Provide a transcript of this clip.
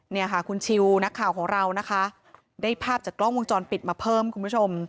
เนี่ยค่ะคุณชิวนักข่าวของเรานะคะได้ภาพจากกล้องวงจรปิดมาเพิ่มคุณผู้ชม